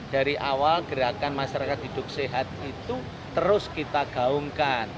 dari awal gerakan masyarakat hidup sehat itu terus kita gaungkan